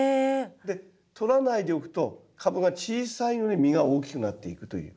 で取らないでおくと株が小さいうえ実が大きくなっていくという。